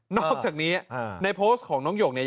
อกจากนี้ในโพสต์ของน้องหยกเนี่ย